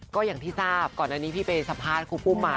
ก็อย่างที่ทราบก่อนอันนี้พี่ไปสัมภาษณ์ครูปุ้มมา